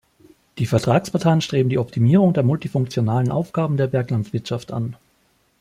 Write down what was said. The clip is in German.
Die Vertragsparteien streben die Optimierung der multifunktionalen Aufgaben der Berglandwirtschaft an.